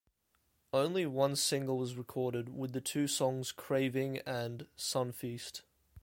Only one single was recorded with the two songs "Craving" and "Sunfeast.